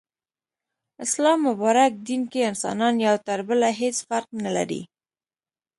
اسلام مبارک دين کي انسانان يو تر بله هيڅ فرق نلري